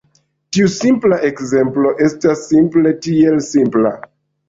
Tiu simpla ekzemplo estas simple tiel: simpla.